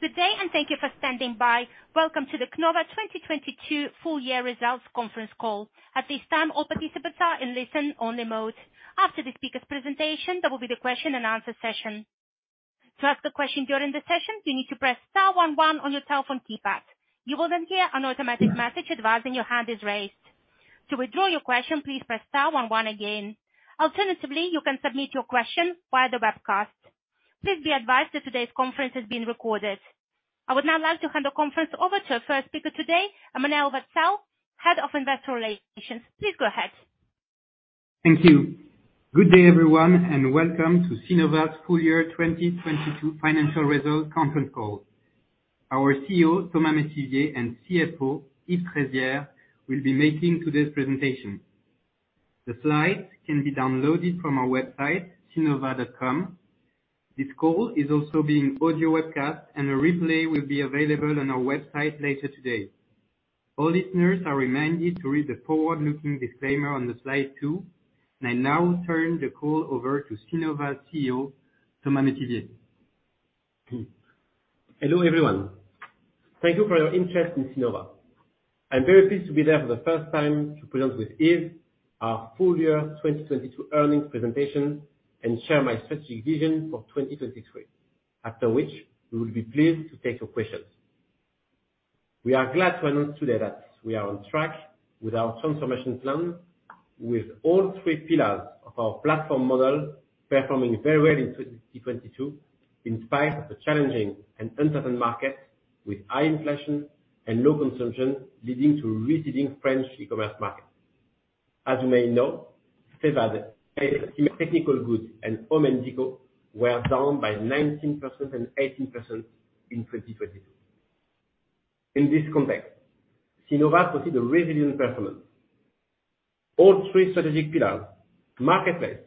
Good day. Thank you for standing by. Welcome to the Cnova 2022 Full Year Results Conference Call. At this time, all participants are in listen only mode. After the speaker presentation, there will be the question and answer session. To ask a question during the session, you need to press star one one on your telephone keypad. You will hear an automatic message advising your hand is raised. To withdraw your question, please press star one one again. Alternatively, you can submit your question via the webcast. Please be advised that today's conference is being recorded. I would now like to hand the conference over to our first speaker today, Emmanuel Wetzel, Head of Investor Relations. Please go ahead. Thank you. Good day, everyone, and welcome to Cnova's full year 2022 financial results conference call. Our CEO, Thomas Métivier, and CFO, Yves Trézières, will be making today's presentation. The slides can be downloaded from our website, cnova.com. This call is also being audio webcast, and a replay will be available on our website later today. All listeners are reminded to read the forward-looking disclaimer on slide two. I now turn the call over to Cnova CEO, Thomas Métivier. Hello, everyone. Thank you for your interest in Cnova. I'm very pleased to be here for the first time to present with Yves, our full year 2022 earnings presentation and share my strategic vision for 2023. After which, we will be pleased to take your questions. We are glad to announce today that we are on track with our transformation plan with all three pillars of our platform model performing very well in 2022, in spite of the challenging and uncertain market with high inflation and low consumption, leading to receding French e-commerce market. As you may know, technical goods and home and deco were down by 19% and 18% in 2022. In this context, Cnova posted a resilient performance. All three strategic pillars, marketplace,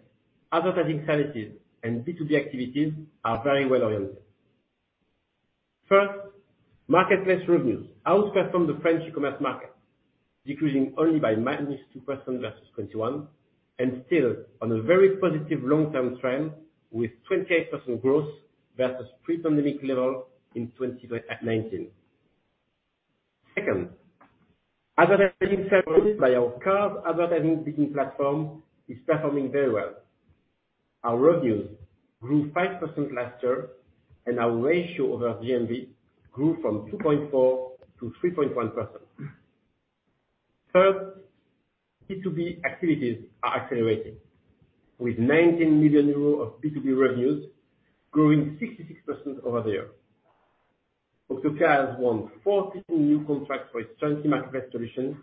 advertising services, and B2B activities are very well oriented. First, marketplace revenues outperformed the French e-commerce market, decreasing only by -2% versus 2021, and still on a very positive long-term trend with 28% growth versus pre-pandemic level in 2019. Second, advertising services by our carved advertising bidding platform is performing very well. Our revenues grew 5% last year, and our ratio over GMV grew from 2.4% to 3.1%. Third, B2B activities are accelerating. With 19 million euros of B2B revenues growing 66% over the year. Octopia has won 14 new contracts for its 20 marketplace solution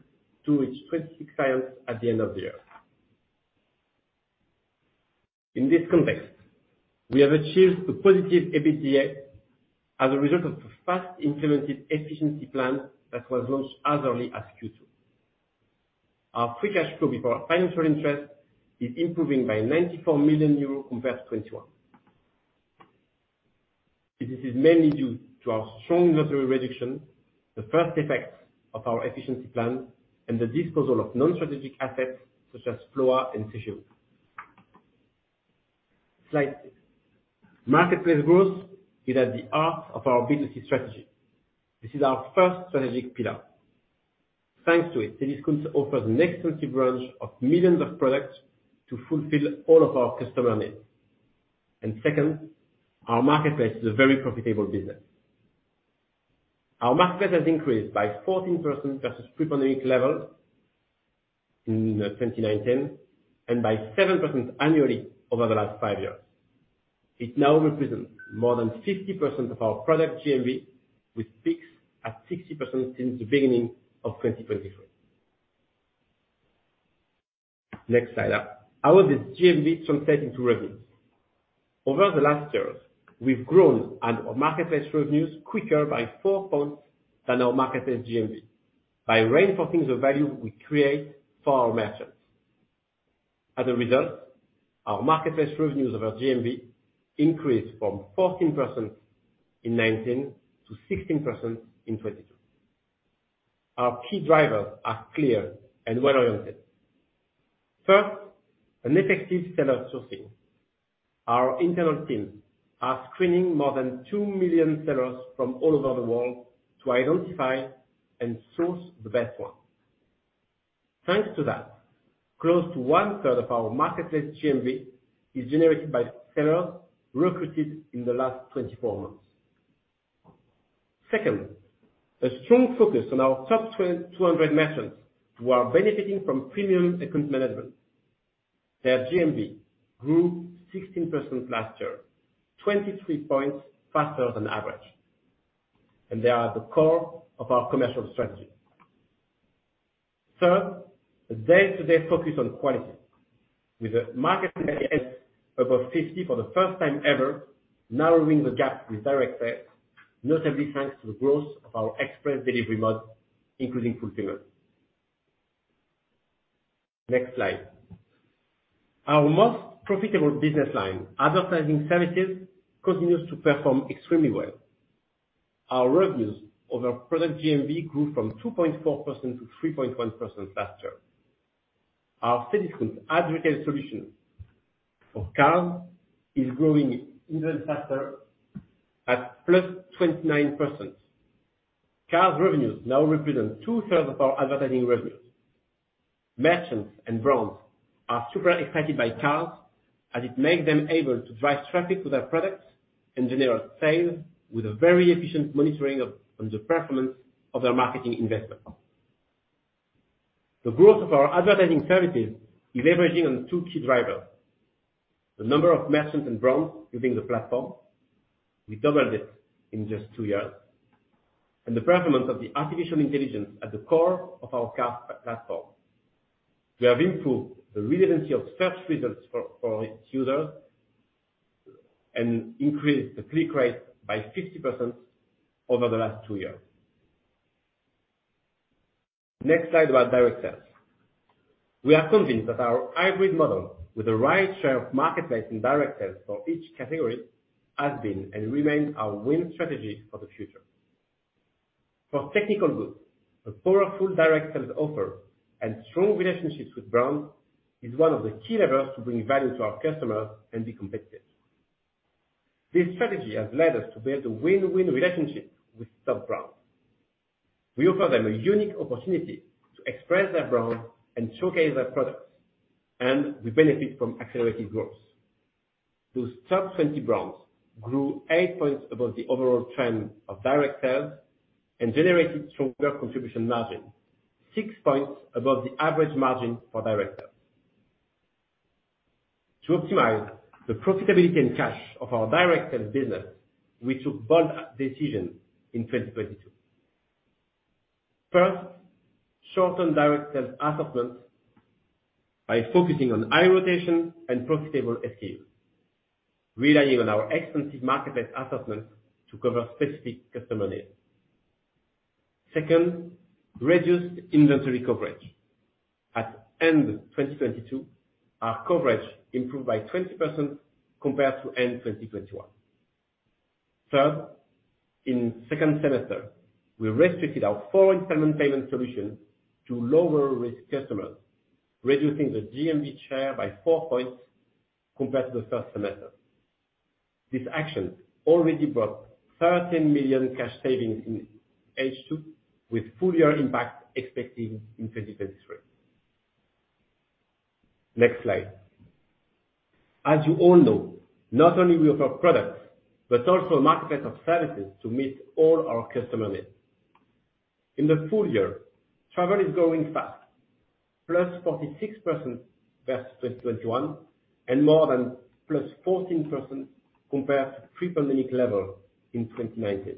to its 26 clients at the end of the year. In this context, we have achieved a positive EBITDA as a result of the fast implemented efficiency plan that was launched as early as Q2. Our free cash flow before financial interest is improving by 94 million euros compared to 2021. This is mainly due to our strong inventory reduction, the first effects of our efficiency plan, and the disposal of non-strategic assets such as FLOA and Youtechi. Slide. Marketplace growth is at the heart of our B2C strategy. This is our first strategic pillar. Thanks to it, Cdiscount offers an extensive range of millions of products to fulfill all of our customer needs. Second, our marketplace is a very profitable business. Our marketplace has increased by 14% versus pre-pandemic levels in 2019, and by 7% annually over the last five years. It now represents more than 50% of our product GMV, with peaks at 60% since the beginning of 2023. Next slide. How is this GMV translated into revenues? Over the last years, we've grown our marketplace revenues quicker by four points than our marketplace GMV by reinforcing the value we create for our merchants. Our marketplace revenues over GMV increased from 14% in 2019 to 16% in 2022. Our key drivers are clear and well-oriented. First, an effective seller sourcing. Our internal teams are screening more than 2 million sellers from all over the world to identify and source the best ones. Thanks to that, close to 1/3 of our marketplace GMV is generated by sellers recruited in the last 24 months. Second, a strong focus on our top 200 merchants who are benefiting from premium account management. Their GMV grew 16% last year, 23 points faster than average. They are the core of our commercial strategy. Third, a day-to-day focus on quality. With the marketplace above 50 for the first time ever, narrowing the gap with direct, notably thanks to the growth of our express delivery mode, including fulfillment. Next slide. Our most profitable business line, advertising services, continues to perform extremely well. Our revenues over product GMV grew from 2.4% to 3.1% last year. Our significant advocate solution for CARS is growing even faster at +29%. CARS revenues now represent 2/3 of our advertising revenues. Merchants and brands are super excited by CARS as it makes them able to drive traffic to their products and generate sales with a very efficient monitoring of the performance of their marketing investment. The growth of our advertising services is leveraging on two key drivers. The number of merchants and brands using the platform. We doubled it in just two years. The performance of the artificial intelligence at the core of our CARS platform. We have improved the relevancy of search results for its users and increased the click rate by 50% over the last two years. Next slide about direct sales. We are convinced that our hybrid model with the right share of marketplace and direct sales for each category has been and remains our win strategy for the future. For technical goods, the powerful direct sales offer and strong relationships with brands is one of the key levers to bring value to our customers and be competitive. This strategy has led us to build a win-win relationship with top brands. We offer them a unique opportunity to express their brand and showcase their products, and we benefit from accelerated growth. Those top 20 brands grew 8 points above the overall trend of direct sales and generated stronger contribution margin, 6 points above the average margin for direct sales. To optimize the profitability and cash of our direct sales business, we took bold decisions in 2022. First, shortened direct sales assortment by focusing on high rotation and profitable SKUs, relying on our extensive marketplace assortment to cover specific customer needs. Second, reduced inventory coverage. At end 2022, our coverage improved by 20% compared to end 2021. Third, in second semester, we restricted our foreign payment solution to lower-risk customers, reducing the GMV share by 4 points compared to the first semester. This action already brought 13 million cash savings in H2 with full year impact expected in 2023. Next slide. As you all know, not only we offer products, but also a marketplace of services to meet all our customer needs. In the full year, travel is growing fast, +46% versus 2021, and more than +14% compared to pre-pandemic level in 2019.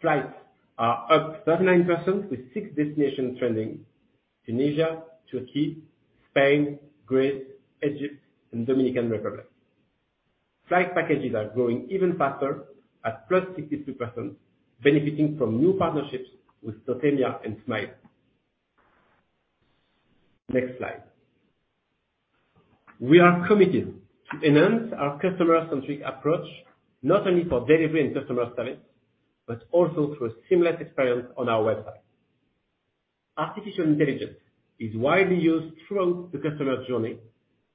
Flights are up +39% with six destinations trending, Tunisia, Turkey, Spain, Greece, Egypt and Dominican Republic. Flight packages are growing even faster at +62%, benefiting from new partnerships with Loteria and Smiles. Next slide. We are committed to enhance our customer-centric approach, not only for delivery and customer service, but also through a seamless experience on our website. Artificial intelligence is widely used throughout the customer journey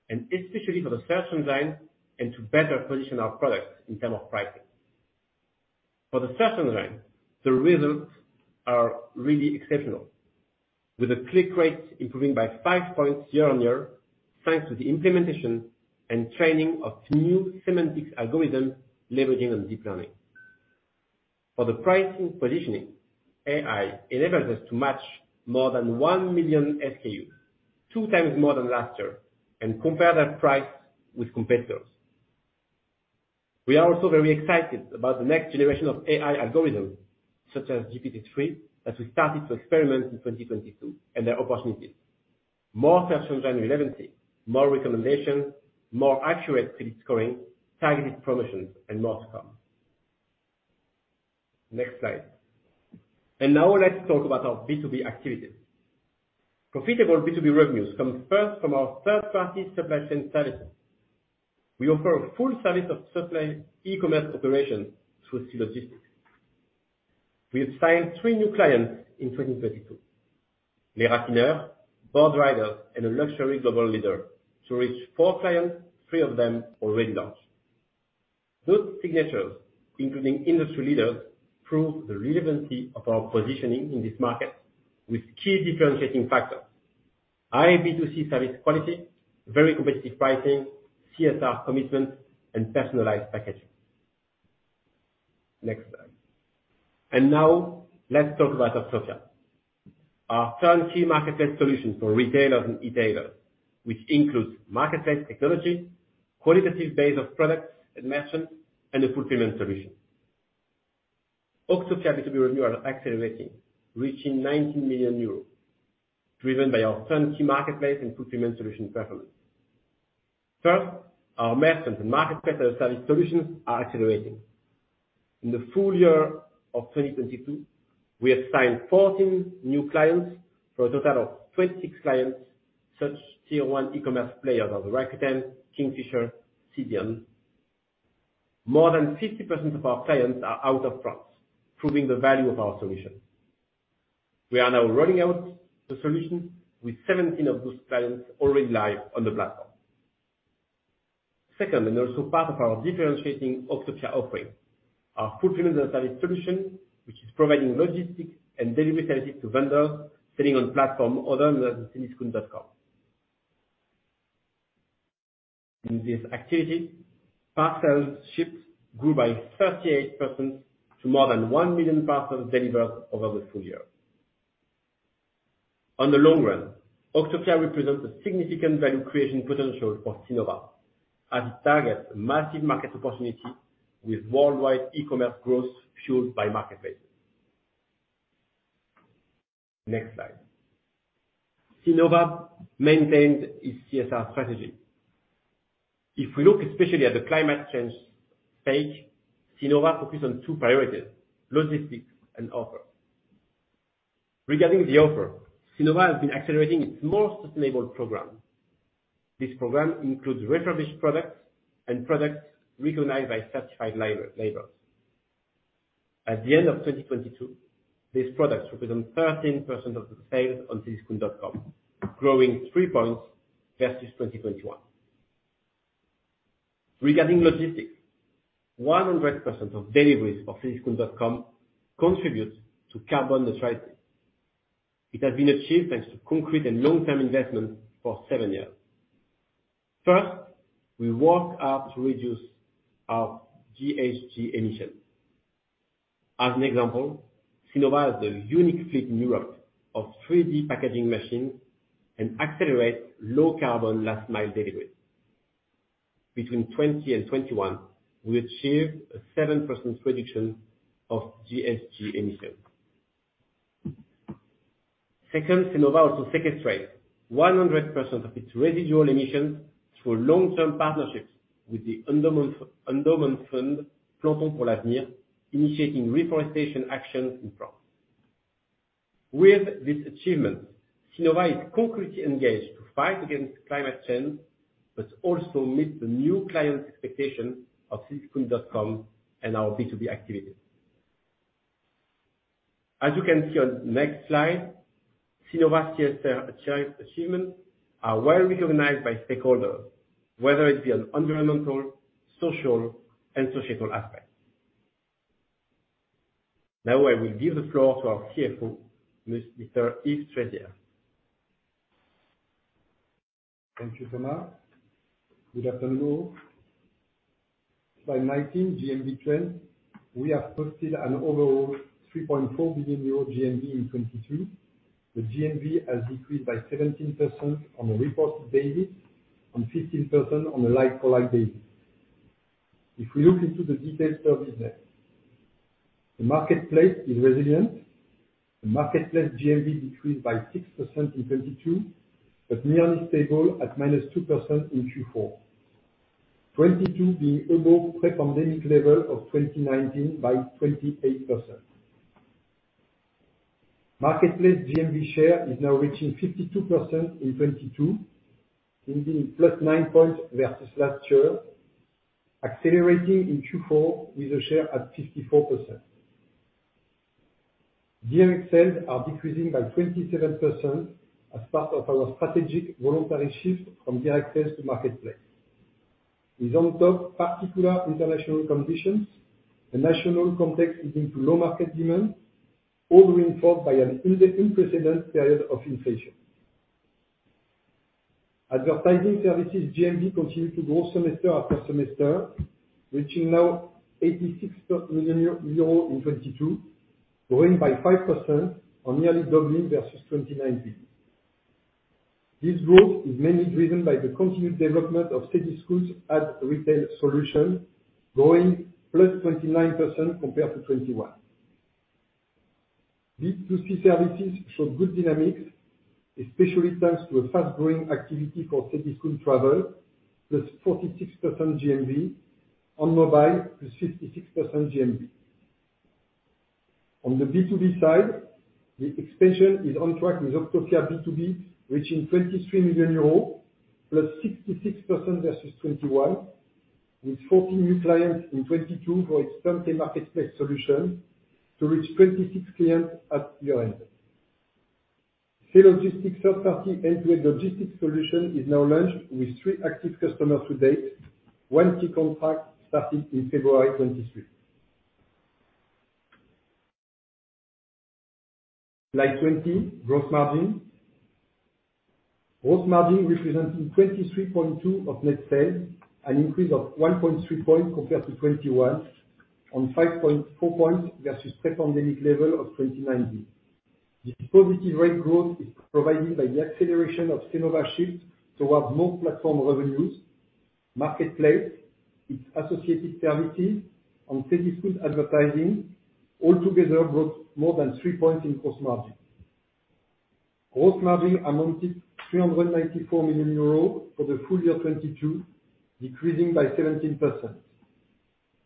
and especially for the search engine design and to better position our products in term of pricing. For the search engine design, the results are really exceptional, with the click rate improving by 5 points year-over-year, thanks to the implementation and training of new semantic algorithms leveraging on deep learning. For the pricing positioning, AI enables us to match more than 1 million SKUs, 2x more than last year, and compare that price with competitors. We are also very excited about the next generation of AI algorithms such as GPT-3, as we started to experiment in 2022 and their opportunities. More search engine relevancy, more recommendations, more accurate credit scoring, targeted promotions and more to come. Next slide. Now let's talk about our B2B activities. Profitable B2B revenues come first from our third-party supply chain services. We offer a full service of supply e-commerce operations through C-Logistics. We have signed three new clients in 2022. Les Raffineurs, Boardriders and a luxury global leader to reach four clients, three of them already launched. Those signatures, including industry leaders, prove the relevancy of our positioning in this market with key differentiating factors. High B2C service quality, very competitive pricing, CSR commitment and personalized packaging. Next slide. Now let's talk about Octopia, our turnkey marketplace solution for retailers and e-tailers, which includes marketplace technology, qualitative base of products and merchants, and a fulfillment solution. Octopia B2B revenue are accelerating, reaching 90 million euros, driven by our turnkey marketplace and fulfillment solution performance. First, our merchants and marketplace service solutions are accelerating. In the full year of 2022, we have signed 14 new clients for a total of 26 clients such tier one e-commerce players as Rakuten, Kingfisher, Cdiscount. More than 50% of our clients are out of France, proving the value of our solution. We are now rolling out the solution with 17 of those clients already live on the platform. Second, also part of our differentiating Octopia offering, our fulfillment service solution, which is providing logistics and delivery services to vendors selling on platform other than Cdiscount.com. In this activity, parcels shipped grew by 38% to more than 1 million parcels delivered over the full year. On the long run, Octopia represents a significant value creation potential for Cnova as it targets a massive market opportunity with worldwide e-commerce growth fueled by marketplace. Next slide. Cnova maintained its CSR strategy. If we look especially at the climate change page, Cnova focused on two priorities, logistics and offer. Regarding the offer, Cnova has been accelerating its most sustainable program. This program includes refurbished products and products recognized by certified labels. At the end of 2022, these products represent 13% of the sales on Cdiscount.com, growing 3 points versus 2021. Regarding logistics, 100% of deliveries for Cdiscount.com contributes to carbon neutrality. It has been achieved thanks to concrete and long-term investment for seven years. First, we work hard to reduce our GHG emissions. As an example, Cnova has a unique fleet in Europe of 3D packaging machines and accelerates low carbon last mile deliveries. Between 2020 and 2021, we achieved a 7% reduction of GHG emissions. Second, Cnova also sequestrates 100% of its residual emissions through long-term partnerships with the endowment fund, Plantons pour l'avenir, initiating reforestation action in France. With this achievement, Cnova is concretely engaged to fight against climate change, but also meet the new clients' expectation of Cdiscount.com and our B2B activities. As you can see on the next slide, Cnova's CSR achievement are well recognized by stakeholders, whether it be on environmental, social, and societal aspects. I will give the floor to our CFO, Mr. Yves Trézières. Thank you, Thomas. Good afternoon. Slide 19, GMV trend. We have posted an overall 3.4 billion euro GMV in 2022. The GMV has decreased by 17% on a reported basis and 15% on a like-for-like basis. We look into the detailed services, the marketplace is resilient. The marketplace GMV decreased by 6% in 2022, nearly stable at -2% in Q4. 2022 being above pre-pandemic level of 2019 by 28%. Marketplace GMV share is now reaching 52% in 2022, meaning +9 points versus last year, accelerating in Q4 with a share at 54%. Direct sales are decreasing by 27% as part of our strategic voluntary shift from direct sales to marketplace. On top particular international conditions, the national context is into low market demand, all reinforced by an unprecedented period of inflation. Advertising services GMV continued to grow semester after semester, reaching now 86 million euros in 2022, growing by 5% on nearly doubling versus 2019. This growth is mainly driven by the continued development of Cdiscount's ad retail solution, growing +29% compared to 2021. B2C services show good dynamics, especially thanks to a fast-growing activity for Cdiscount travel, +46% GMV, on mobile, +56% GMV. On the B2B side, the expansion is on track with Octopia B2B, reaching 23 million euros, +66% versus 2021, with 14 new clients in 2022 for its turnkey marketplace solution to reach 26 clients at year-end. C-Logistics third party end-to-end logistics solution is now launched with three active customers to date, 1 key contract starting in February 2023. Slide 20, gross margin. Gross margin representing 23.2% of net sales, an increase of 1.3 points compared to 2021, on 5.4 points versus pre-pandemic level of 2019. This positive rate growth is provided by the acceleration of Cnova shift towards more platform revenues, marketplace, its associated services, and Cdiscount Advertising all together brought more than 3 points in gross margin. Gross margin amounted 394 million euros for the full year 2022, decreasing by 17%.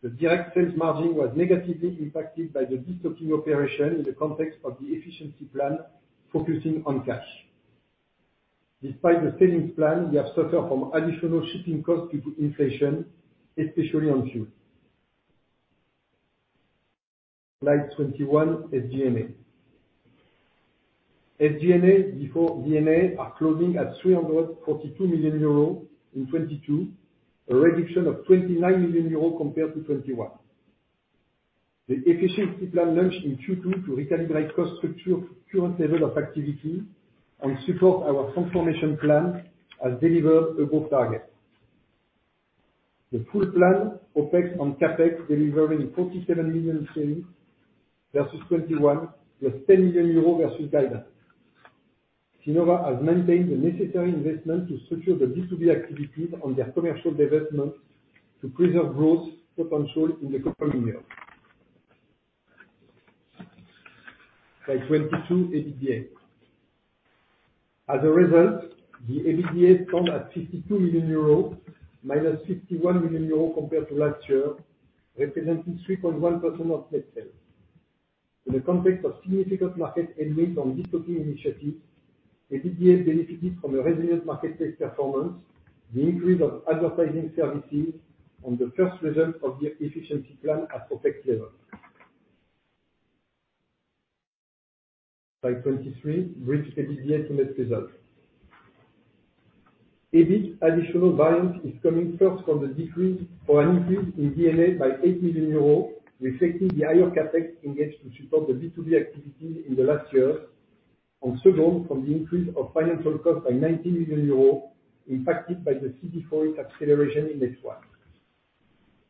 The direct sales margin was negatively impacted by the destocking operation in the context of the efficiency plan focusing on cash. Despite the savings plan, we have suffered from additional shipping costs due to inflation, especially on fuel. Slide 21, SG&A. SG&A before D&A are closing at 342 million euros in 2022, a reduction of 29 million euros compared to 2021. The efficiency plan launched in Q2 to recalibrate cost structure to current level of activity and support our transformation plan has delivered above target. The full plan, OpEx and CapEx, delivering 47 million savings versus 2021, + 10 million euros versus guidance. Cnova has maintained the necessary investment to secure the B2B activities on their commercial development to preserve growth potential in the coming year. Slide 22, EBITDA. As a result, the EBITDA come at 52 million euros, - 51 million euros compared to last year, representing 3.1% of net sales. In the context of significant market headwind on B2C initiatives, EBITDA benefited from a resilient marketplace performance, the increase of advertising services, and the first result of the efficiency plan at OpEx level. Slide 23, brief EBITDA net results. EBIT additional variance is coming first from the decrease or an increase in D&A by 8 million euros, reflecting the higher CapEx engaged to support the B2B activity in the last year, and second from the increase of financial cost by 19 million euros impacted by the CFD Forex acceleration in H1.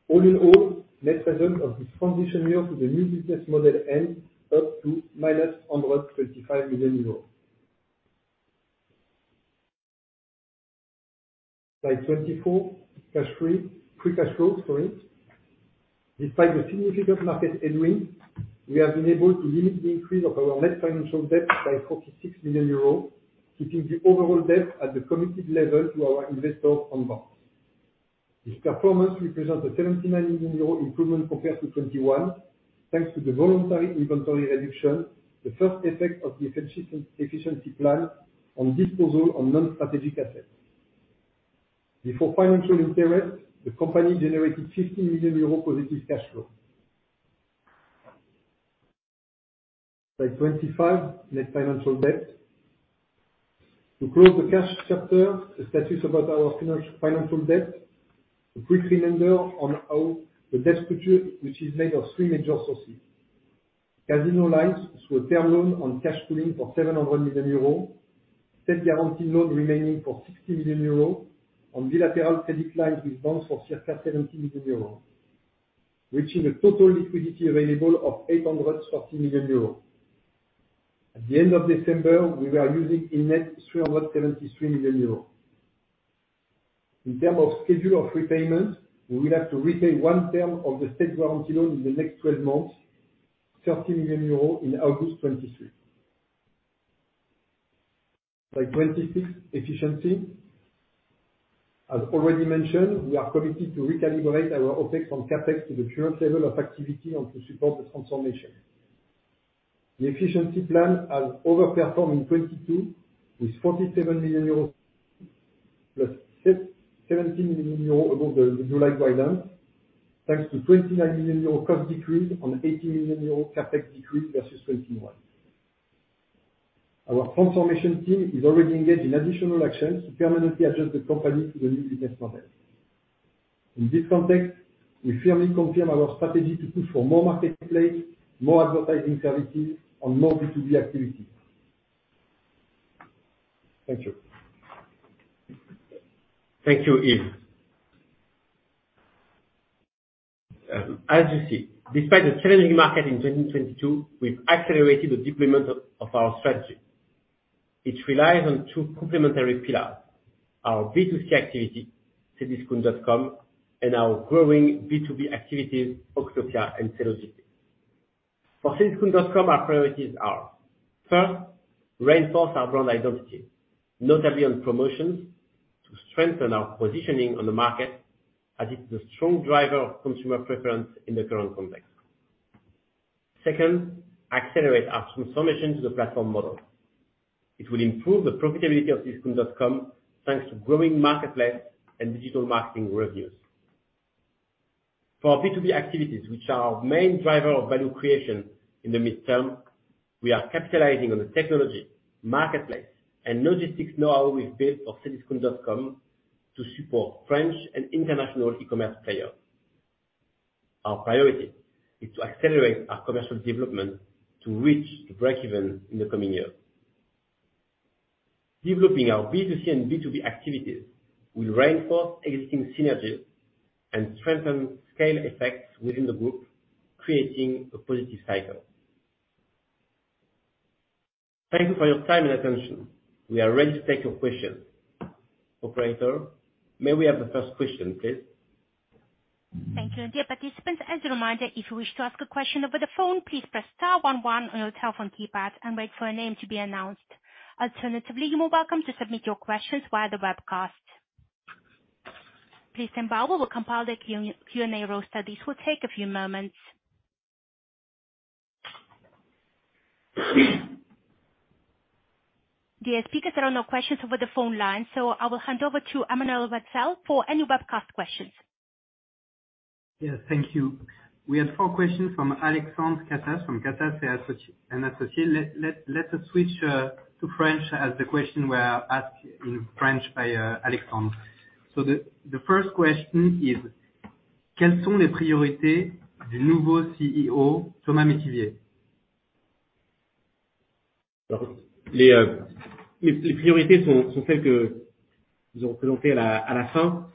All in all, net result of this transition year to the new business model end up to minus 135 million euros. Slide 24, free cash flow, sorry. Despite the significant market headwind, we have been able to limit the increase of our net financial debt by 46 million euros, keeping the overall debt at the committed level to our investors and banks. This performance represents a 79 million euro improvement compared to 2021, thanks to the voluntary inventory reduction, the first effect of the efficiency plan, and disposal on non-strategic assets. Before financial interest, the company generated 50 million euros positive cash flow. Slide 25, net financial debt. To close the cash chapter, a status about our financial debt. A quick reminder on how the debt structure, which is made of three major sources. Casino lines through a term loan on cash pooling for 700 million euros, State-guaranteed loan remaining for 60 million euros, and bilateral credit line with banks for circa 70 million euros, reaching a total liquidity available of 840 million euros. At the end of December, we were using in net 373 million euros. In term of schedule of repayments, we will have to repay one term of the State-guaranteed loan in the next 12 months, 30 million euros in August 2023. Slide 26, efficiency. As already mentioned, we are committed to recalibrate our OpEx and CapEx to the current level of activity and to support the transformation. The efficiency plan has overperformed in 2022 with 47 million euros, plus 17 million euros above the July guidance, thanks to 29 million euro cost decrease on 18 million euro CapEx decrease versus 2021. Our transformation team is already engaged in additional actions to permanently adjust the company to the new business model. In this context, we firmly confirm our strategy to push for more marketplace, more advertising services, and more B2B activity. Thank you. Thank you, Yves. As you see, despite the challenging market in 2022, we've accelerated the deployment of our strategy. It relies on two complementary pillars: our B2C activity, Cdiscount.com, and our growing B2B activities, Octopia and C-Logistics. For Cdiscount.com, our priorities are: first, reinforce our brand identity, notably on promotions, to strengthen our positioning on the market, as it's the strong driver of consumer preference in the current context. Second, accelerate our transformation to the platform model. It will improve the profitability of Cdiscount.com, thanks to growing marketplace and digital marketing revenues. For our B2B activities, which are our main driver of value creation in the midterm, we are capitalizing on the technology, marketplace, and logistics knowhow we've built for Cdiscount.com to support French and international e-commerce players. Our priority is to accelerate our commercial development to reach the breakeven in the coming year. Developing our B2C and B2B activities will reinforce existing synergies and strengthen scale effects within the group, creating a positive cycle. Thank you for your time and attention. We are ready to take your questions. Operator, may we have the first question, please? Thank you. Dear participants, as a reminder, if you wish to ask a question over the phone, please press star one one on your telephone keypad and wait for your name to be announced. Alternatively, you are welcome to submit your questions via the webcast. Please stand by while we compile the Q&A roster. This will take a few moments. Dear speakers, there are no questions over the phone line, so I will hand over to Emmanuel Wetzel for any webcast questions. Yes, thank you. We have four questions from Nicolas Cortial from Catas et Associés. Let's switch to French as the question were asked in French by Alexandre. The first question is: quelles sont les priorités du nouveau CEO Thomas Métivier? Les priorités sont celles que nous avons présentées à la fin.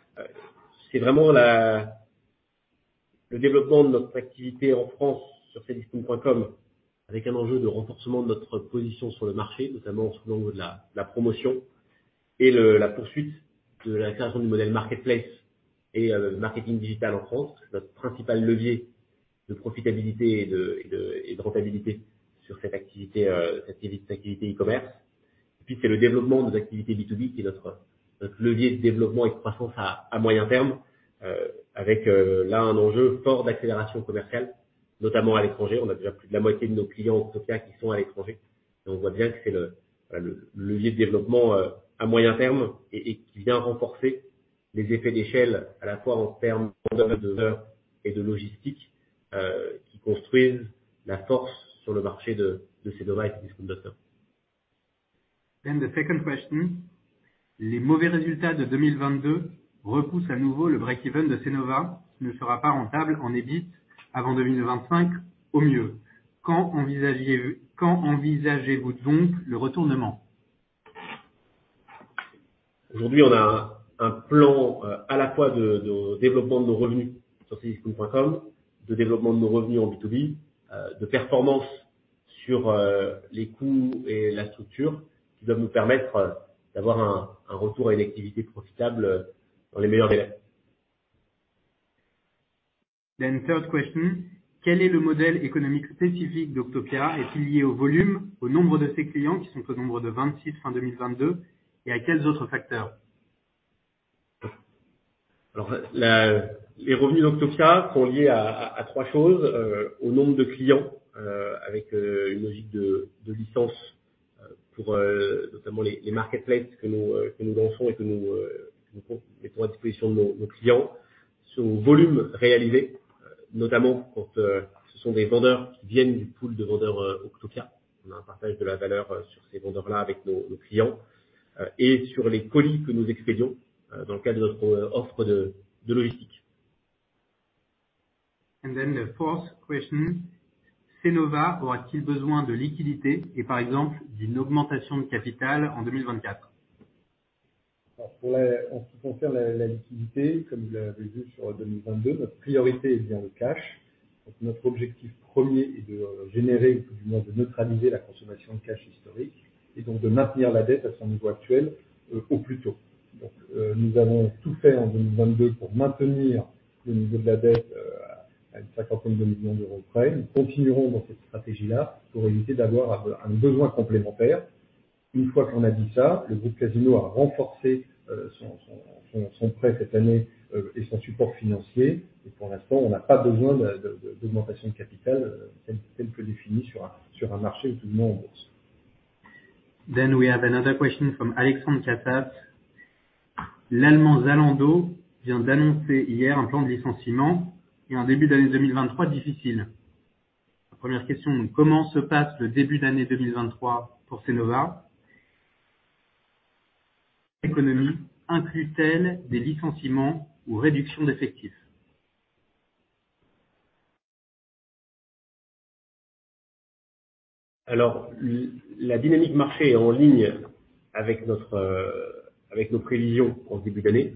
C'est vraiment le développement de notre activité en France sur Cdiscount.com avec un enjeu de renforcement de notre position sur le marché, notamment sur l'angle de la promotion et la poursuite de la création du modèle marketplace et le marketing digital en France, notre principal levier de profitabilité et de rentabilité sur cette activité e-commerce. C'est le développement de nos activités B2B qui est notre levier de développement et de croissance à moyen terme, avec là un enjeu fort d'accélération commerciale, notamment à l'étranger. On a déjà plus de la moitié de nos clients Octopia qui sont à l'étranger. On voit bien que c'est le levier de développement à moyen terme et qui vient renforcer les effets d'échelle, à la fois en termes de vendeurs et de logistique, qui construisent la force sur le marché de Cnova et Cnova et Cdiscount. The second question. Les mauvais résultats de 2022 repoussent à nouveau le break even de Cnova, qui ne sera pas rentable en EBIT avant 2025 au mieux. Quand envisagez-vous donc le retournement? Aujourd'hui, on a un plan à la fois de développement de nos revenus sur Cdiscount.com, de développement de nos revenus en B2B, de performance sur les coûts et la structure qui doivent nous permettre d'avoir un retour à une activité profitable dans les meilleurs délais. Third question: quel est le modèle économique spécifique d'Octopia? Est-il lié au volume, au nombre de ses clients, qui sont au nombre de 26 fin 2022, et à quels autres facteurs? Les revenus d'Octopia sont liés à 3 choses: au nombre de clients, avec une logique de licence, pour notamment les marketplaces que nous lançons et que nous mettrons à disposition de nos clients, sur aux volumes réalisés, notamment quand ce sont des vendeurs qui viennent du pool de vendeurs Octopia, on a un partage de la valeur sur ces vendeurs-là avec nos clients, et sur les colis que nous expédions, dans le cadre de notre offre de logistique. The fourth question: Cnova aura-t-il besoin de liquidités et par exemple, d'une augmentation de capital en 2024? En ce qui concerne la liquidité, comme vous l'avez vu sur 2022, notre priorité est bien le cash. Notre objectif premier est de générer ou du moins de neutraliser la consommation de cash historique et donc de maintenir la dette à son niveau actuel au plus tôt. Nous avons tout fait en 2022 pour maintenir le niveau de la dette à une cinquantaine de millions EUR près. Nous continuerons dans cette stratégie-là pour éviter d'avoir un besoin complémentaire. Une fois qu'on a dit ça, le groupe Casino a renforcé son prêt cette année et son support financier. Pour l'instant, on n'a pas besoin d'augmentation de capital telle que définie sur un marché éventuellement en bourse. We have another question from Nicolas Cottias. L'Allemand Zalando vient d'annoncer hier un plan de licenciement et un début d'année 2023 difficile. La première question donc: comment se passe le début d'année 2023 pour Cnova? L'économie inclut-elle des licenciements ou réductions d'effectifs? La dynamique marché est en ligne avec notre avec nos prévisions en ce début d'année.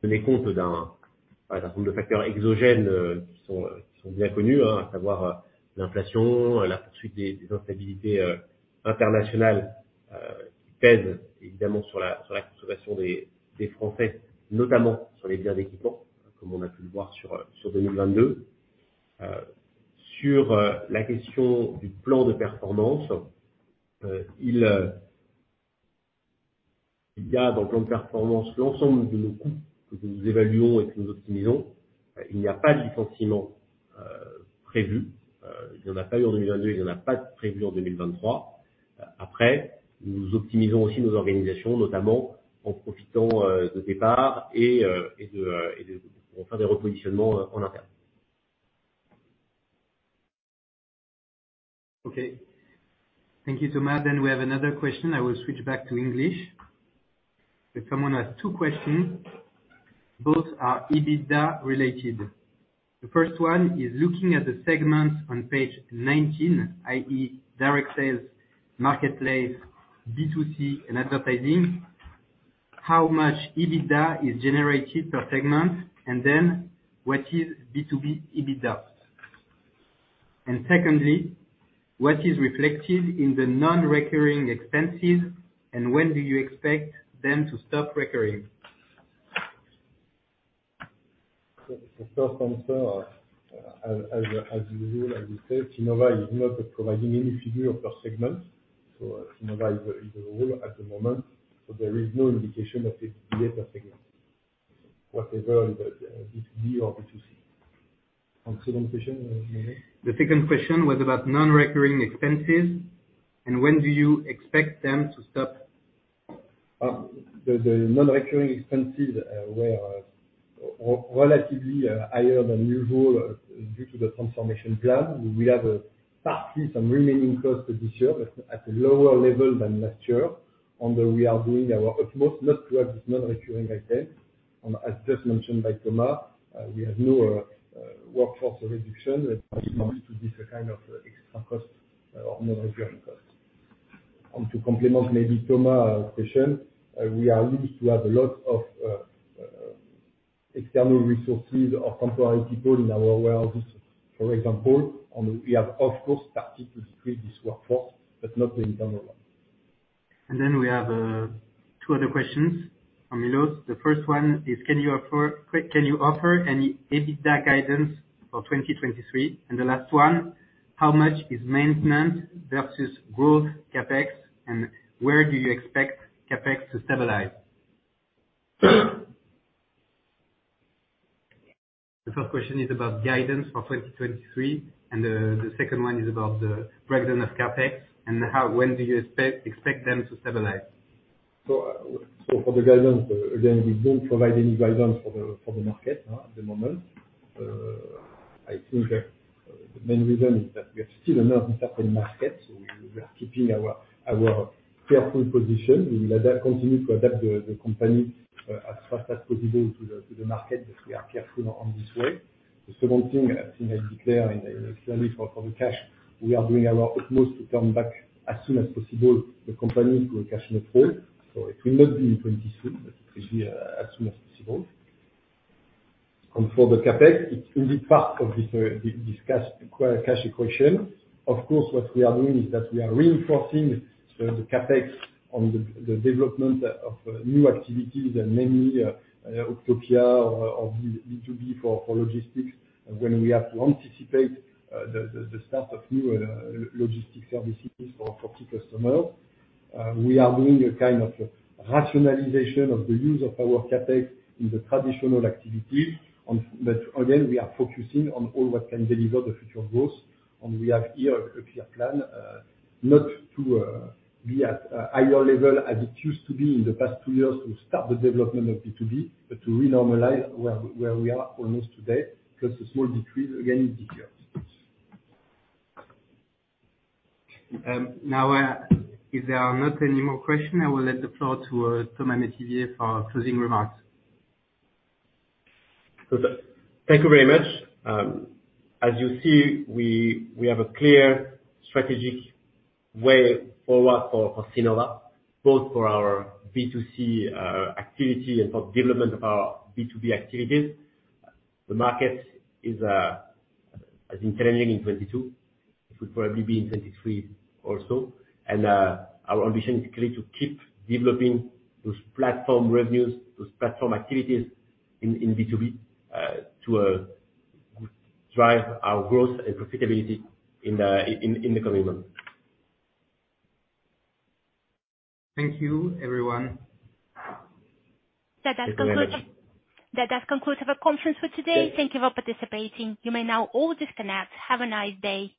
Tenait compte d'un certain nombre de facteurs exogènes qui sont bien connus, hein, à savoir l'inflation, la poursuite des instabilités internationales qui pèsent évidemment sur la consommation des Français, notamment sur les biens d'équipement, comme on a pu le voir sur 2022. Sur la question du plan de performance, il y a dans le plan de performance l'ensemble de nos coûts que nous évaluons et que nous optimisons. Il n'y a pas de licenciement prévu. Il n'y en a pas eu en 2022 et il n'y en a pas de prévu en 2023. Nous optimisons aussi nos organisations, notamment en profitant de départs et et de pour faire des repositionnements en interne. OK. Thank you Thomas. We have another question. I will switch back to English. Someone has two questions. Both are EBITDA related. The first one is: looking at the segments on page 19, i.e. direct sales, marketplace, B2C and advertising, how much EBITDA is generated per segment? What is B2B EBITDA? Secondly, what is reflected in the non-recurring expenses? When do you expect them to stop recurring? The first answer, as usual, as we said, Cnova is not providing any figure per segment. Cnova is overall at the moment. There is no indication of the EBITDA per segment. Whatever it is, it's the opportunity. Second question, Emmanuel? The second question was about non-recurring expenses and when do you expect them to stop? The non-recurring expenses were relatively higher than usual due to the transformation plan. We have partly some remaining costs this year at a lower level than last year. We are doing our utmost not to have this non-recurring again. As just mentioned by Thomas, we have lower workforce reduction as opposed to this kind of extra cost or non-recurring costs. To complement maybe Thomas' question, we are lucky to have a lot of external resources or temporary people in our warehouses, for example, and we have of course started to decrease this workforce, but not been done a lot. Then we have two other questions from Milos. The first one is: Can you offer any EBITDA guidance for 2023? The last one: How much is maintenance versus growth CapEx, and where do you expect CapEx to stabilize? The first question is about guidance for 2023, and the second one is about the breakdown of CapEx and how, when do you expect them to stabilize. For the guidance, again, we don't provide any guidance for the market at the moment. I think the main reason is that we are still in an uncertain market, so we are keeping our careful position. We will adapt, continue to adapt the company as fast as possible to the market, but we are careful on this way. The second thing, as you made clear in the study for the cash, we are doing our utmost to come back as soon as possible the company to a cash flow. It will not be in 2023, but it will be as soon as possible. For the CapEx, it's indeed part of this cash equation. What we are doing is that we are reinforcing the CapEx on the development of new activities and mainly Octopia or B2B for logistics. When we have to anticipate the start of new logistics services for our customers, we are doing a kind of rationalization of the use of our CapEx in the traditional activity. But again, we are focusing on all what can deliver the future growth. We have here a clear plan not to be at higher level as it used to be in the past two years to start the development of B2B, but to re-normalize where we are almost today. Plus a small decrease again in details. If there are not any more questions, I will let the floor to Thomas Métivier for closing remarks. Thank you very much. As you see, we have a clear strategic way forward for Cnova, both for our B2C activity and for development of our B2B activities. The market is as in trending in 2022. It will probably be in 2023 also. Our ambition is clear to keep developing those platform revenues, those platform activities in B2B to drive our growth and profitability in the coming months. Thank you everyone. That does. Thank you very much. That does conclude our conference for today. Thank you for participating. You may now all disconnect. Have a nice day.